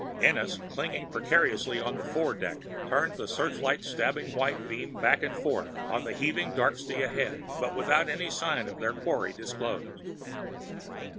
Ennis, clinging precariously on the foredeck, turned the searchlight's stabbing white beam back and forth on the heaving dark sea ahead, but without any sign of their quarry disclosed.